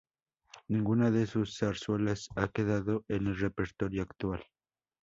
Ninguna de sus zarzuelas ha quedado en el repertorio actual.